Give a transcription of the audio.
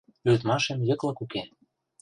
— Лӱдмашем йыклык уке.